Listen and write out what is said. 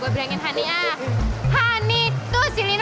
kehobatannya dia lomit kali ya